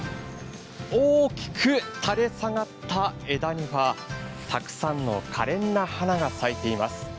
大きく垂れ下がった枝にはたくさんのかれんな花が咲いています。